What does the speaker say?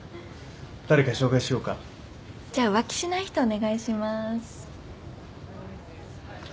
じゃ浮気しない人お願いします。